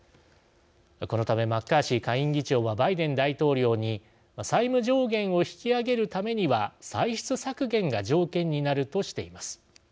このためマッカーシー下院議長はバイデン大統領に債務上限を引き上げるためには歳出削減が条件になるとしています。